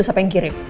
siapa yang kirim